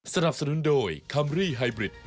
สำหรับสนุนโดยคำรีฮีไบรัท